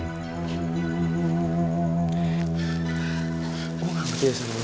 gue gak ngerti ya sama lo